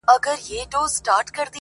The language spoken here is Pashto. هــــر ســــړے د بل نه احـتساب غــواړي